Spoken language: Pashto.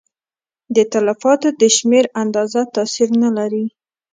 د تلفاتو د شمېر اندازه تاثیر نه لري.